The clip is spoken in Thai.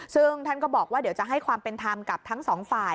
ซึ่งท่านก็บอกว่าเดี๋ยวจะให้ความเป็นธรรมกับทั้งสองฝ่าย